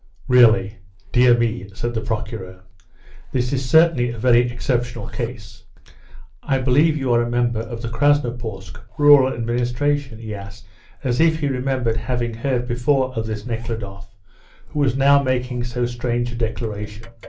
"Really! Dear me!" said the Procureur. "This is certainly a very exceptional case. I believe you are a member of the Krasnoporsk rural administration?" he asked, as if he remembered having heard before of this Nekhludoff, who was now making so strange a declaration.